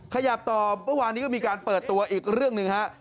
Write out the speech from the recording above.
ขยับต่อเมื่อวานนี้ก็มีการเปิดตัวอีกเรื่องหนึ่งฮะ